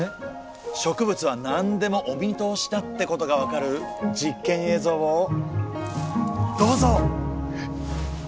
植物は何でもお見通しだってことが分かる実験映像をどうぞ！